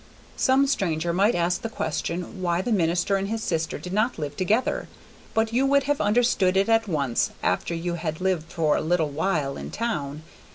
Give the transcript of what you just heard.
Some stranger might ask the question why the minister and his sister did not live together, but you would have understood it at once after you had lived for a little while in town.